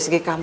oh sekat kan